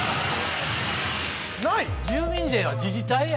ない⁉「住民税」は自治体や。